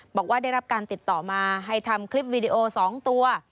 บอกว่าได้รับการติดต่อมาให้ทำคลิปวีดีโอ๒ตัว